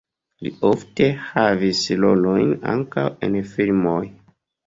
Li ofte havis rolojn ankaŭ en filmoj.